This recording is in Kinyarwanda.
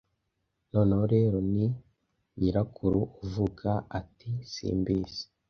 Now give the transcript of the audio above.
"Noneho rero, ni nyirakuru avuga ati: 'Simbizi!